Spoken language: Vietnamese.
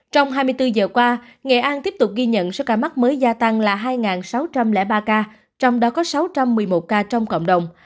trong hai mươi bốn giờ qua nghệ an tiếp tục ghi nhận số ca mắc mới gia tăng là hai sáu trăm linh ba ca trong đó có sáu trăm một mươi một ca trong cộng đồng